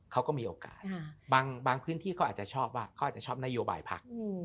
เขาก็มีโอกาสบางพื้นที่เขาอาจจะชอบว่าเขาอาจจะชอบนโยบายพัก